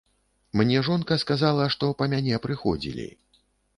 Мне жонка сказала, што па мяне прыходзілі.